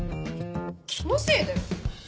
気のせいだよ。